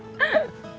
eh kamu selalu gitu